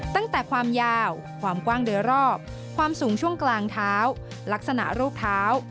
ตั้งแต่ความยาวความกว้างโดยรอบความสูงช่วงกลางเท้าลักษณะรูปเท้า